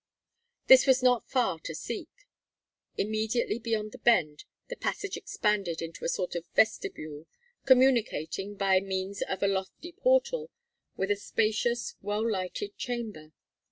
This was not far to seek. Immediately beyond the bend the passage expanded into a sort of vestibule, communicating, by means of a lofty portal, with a spacious, well lighted chamber.